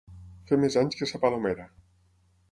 Fer més anys que sa Palomera.